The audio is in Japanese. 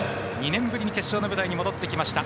２年ぶりに決勝の舞台に戻ってきました。